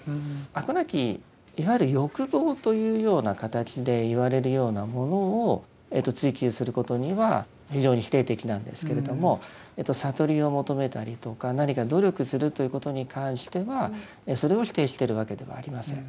飽くなきいわゆる欲望というような形でいわれるようなものを追求することには非常に否定的なんですけれども悟りを求めたりとか何か努力するということに関してはそれを否定しているわけではありません。